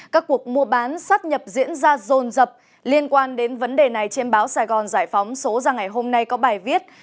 các cuộc mua bán sát nhập diễn ra rồn rập liên quan đến vấn đề này trên báo sài gòn giải phóng số ra ngày hôm nay có bài viết